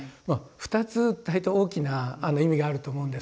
二つ大体大きな意味があると思うんですね。